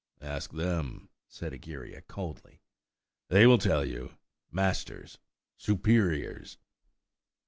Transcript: "Ask them," said Egeria coldly. "They will tell you–masters, superiors."